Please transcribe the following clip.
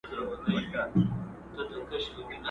چي له ستوني دي آواز نه وي وتلی٫